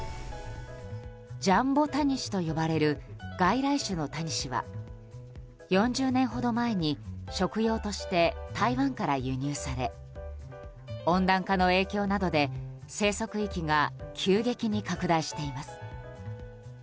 ジャンボタニシと呼ばれる外来種のタニシは４０年ほど前に食用として台湾から輸入され温暖化の影響などで生息域が急激に拡大しています。